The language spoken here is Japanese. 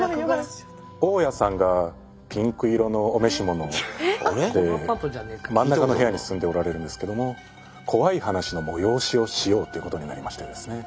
大家さんがピンク色のお召し物で真ん中の部屋に住んでおられるんですけども怖い話の催しをしようということになりましてですね。